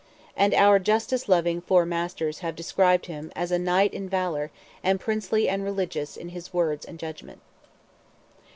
And our justice loving Four Masters have described him as "a knight in valour, and princely and religious in his words and judgments."